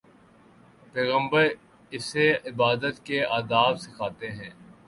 پیغمبر اسے عبادت کے آداب سکھاتے ہیں۔